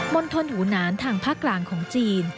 ณฑลหูหนานทางภาคกลางของจีน